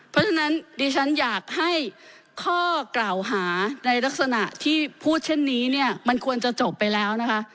เพราะฉะนั้นดิฉันอยากให้ข้อกล่าวหาในลักษณะที่พูดเช่นนี้เนี่ยมันควรจะจบไปแล้วนะคะ